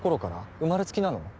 生まれつきなの？